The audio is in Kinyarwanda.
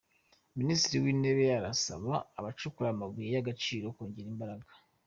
Minisitiri w’Intebe arasaba abacukura amabuye y’agaciro kongera imbaraga